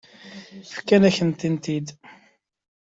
Fkant-akent-tent-id.